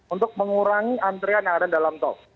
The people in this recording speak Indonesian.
untuk mengurangi antrian yang ada dalam tol